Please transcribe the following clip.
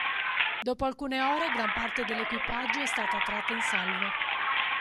Dopo alcune ore gran parte dell'equipaggio è stata tratta in salvo.